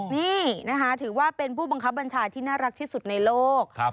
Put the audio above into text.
นี่นะคะถือว่าเป็นผู้บังคับบัญชาที่น่ารักที่สุดในโลก